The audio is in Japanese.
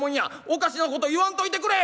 おかしなこと言わんといてくれ！」。